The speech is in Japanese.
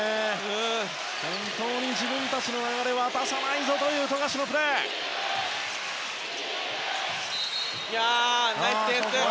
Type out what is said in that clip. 本当に自分たちの流れを渡さないぞという富樫のプレーでした。